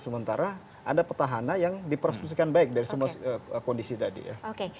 sementara ada petahana yang dipersekusikan baik dari semua kondisi tadi ya